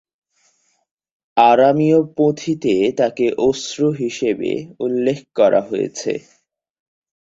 আরামিয় পুঁথিতে তাকে "অশ্রু" হিসেবে উল্লেখ করা হয়েছে।